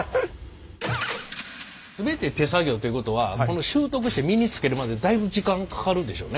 全て手作業ってことは習得して身につけるまでだいぶ時間かかるでしょうね。